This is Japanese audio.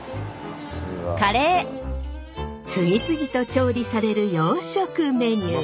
次々と調理される洋食メニュー。